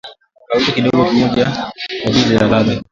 Tangawizi kidogo kimojaa kwaajili ya ladha